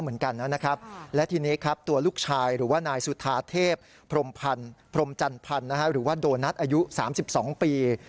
หรือว่าโดนทัศน์อายุ๓๒ปี